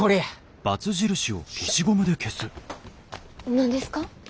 何ですか？